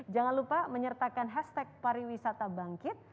jangan lupa menyertakan hashtag pariwisata bangkit